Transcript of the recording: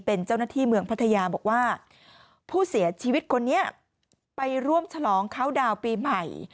เป็นเจ้าหน้าที่เมืองพัทยาบอกว่าผู้เสียชีวิตคนนี้ไปร่วมฉลองเข้าดาวน์ปีใหม่